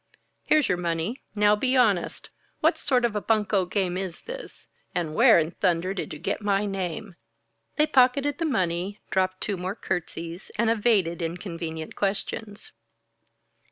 "Here's your money. Now be honest! What sort of a bunco game is this? And where in thunder did you get my name?" They pocketed the money, dropped two more curtsies, and evaded inconvenient questions.